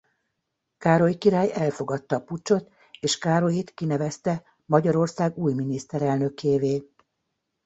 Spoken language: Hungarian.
Károly király elfogadta a puccsot és Károlyit kinevezte Magyarország új miniszterelnökévé.